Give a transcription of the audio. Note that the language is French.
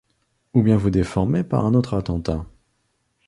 Ou bien vous déformez, par un autre attentat